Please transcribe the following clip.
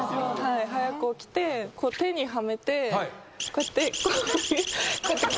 早く起きてこう手にはめてこうやって。